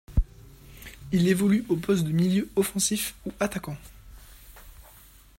Il évolue au poste de milieu offensif ou attaquant.